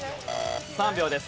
３秒です。